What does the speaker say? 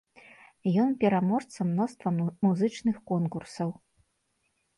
Ён пераможца мноства музычных конкурсаў.